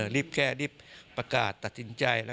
รีบแค่รีบประกาศตัดสินใจ